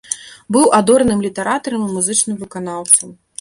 Быў адораным літаратарам і музычным выканаўцам.